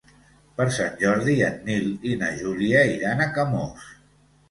Per Sant Jordi en Nil i na Júlia iran a Camós.